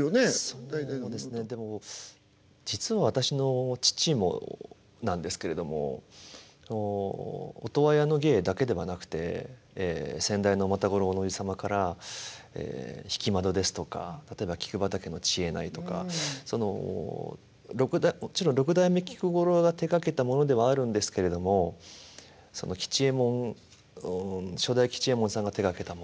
そうですねでも実は私の父もなんですけれども音羽屋の芸だけではなくて先代の又五郎のおじ様から「引窓」ですとか例えば「菊畑」の智恵内とかそのもちろん六代目菊五郎が手がけたものではあるんですけれども吉右衛門初代吉右衛門さんが手がけたものをやったりとか。